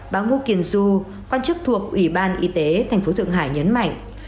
bà ngô kiến du quan chức thuộc ủy ban y tế thành phố thượng hải nhấn mạnh